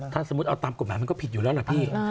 ถ้าสมมุติเอาตามกฎหมายมันก็ผิดอยู่แล้วล่ะพี่